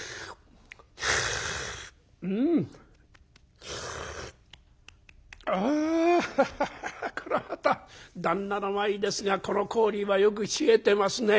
「うん。あハハハハこれまた旦那の前ですがこの氷はよく冷えてますね」。